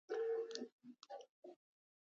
محبت مې د تقدیر په قبر کې ښخ شو.